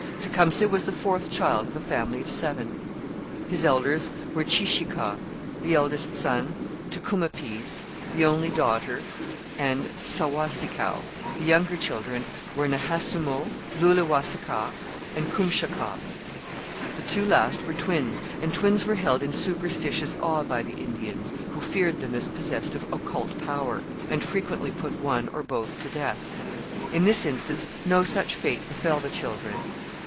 Tecumseh was the fourth child of a family of seven. His elders were Cheeseekau, the eldest son, Tecumapease, the only daughter, and Sauwaseekau; the younger children were Nehasumo, Laulewasikaw, and Kumshakaw. The two last were twins; and twins were held in superstitious awe by the Indians, who feared them as possessed of occult power, and frequently put one or both to death. In this instance no such fate befell the children.